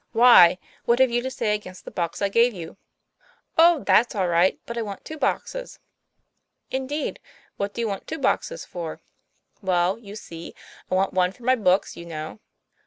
' Why ? What have you to say against the box I gave you?" TOM PLA YFAIR. 47 ; 'Oh, that's all right! but I want two boxes." * Indeed! what do you want two boxes for?" 'Well, you see, I want one for my books, you know."